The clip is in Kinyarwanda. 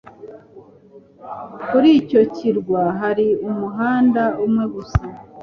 Kuri icyo kirwa hari umuhanda umwe gusa.